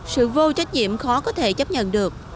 sự vô trách nhiệm khó có thể chấp nhận được